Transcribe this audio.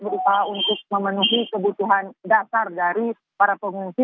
berupaya untuk memenuhi kebutuhan dasar dari para pengungsi